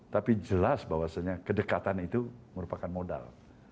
tapi jelas bahwasannya kedekatan itu merupakan modal